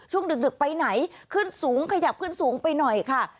ดึกไปไหนขึ้นสูงขยับขึ้นสูงไปหน่อยค่ะ